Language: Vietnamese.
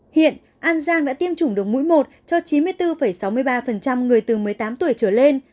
hiện an giang đã tiêm chủng được mũi một cho chín mươi bốn sáu mươi ba người từ một mươi tám tuổi trở lên